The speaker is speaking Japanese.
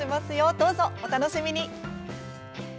どうぞ、お楽しみに！